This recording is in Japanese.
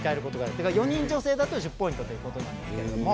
だから、４人、女性だと１０ポイントだということなんですけども。